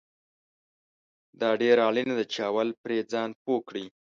دا ډیره اړینه ده چې اول پرې ځان پوه کړې